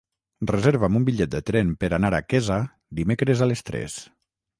Reserva'm un bitllet de tren per anar a Quesa dimecres a les tres.